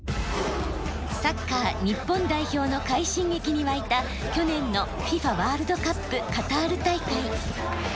サッカー日本代表の快進撃に沸いた去年のＦＩＦＡワールドカップカタール大会。